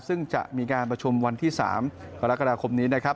ซึ่งจะมีการประชุมวันที่๓กรกฎาคมนี้นะครับ